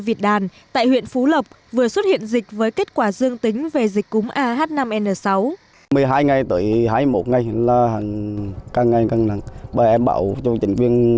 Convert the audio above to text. vịt đàn tại huyện phú lộc vừa xuất hiện dịch với kết quả dương tính về dịch cúm a h năm n sáu